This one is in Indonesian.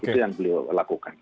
itu yang beliau lakukan